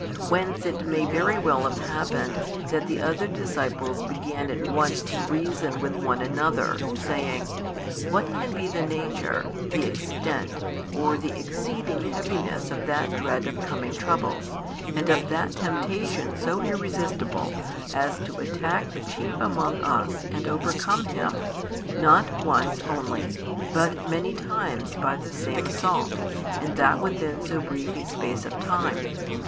Whence it may very well have happened that the other disciples began at once to reason with one another, saying: "What can be the nature, the extent, or the exceeding heaviness of that dread of coming troubles, and of that temptation so irresistible as to attack the chief among us and overcome him, not once only, but many times by the same assault, and that within so brief a space of time?